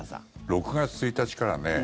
６月１日からね